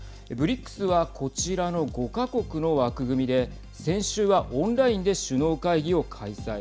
ＢＲＩＣＳはこちらの５か国の枠組みで先週はオンラインで首脳会議を開催。